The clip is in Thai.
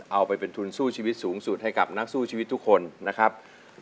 เอาไปเป็นทุนสู้ชีวิตสูงสุดให้กับนักสู้ชีวิตทุกคนนะครับ